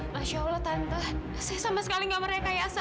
masya allah tante saya sama sekali nggak merekayasa